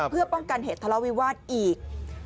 เพื่อป้องกันเหตุทะเลาวิวาสอีก